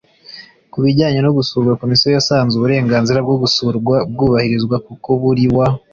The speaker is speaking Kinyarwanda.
Ku bijyanye no gusurwa Komisiyo yasanze uburenganzira bwo gusurwa bwubahirizwa kuko buri wa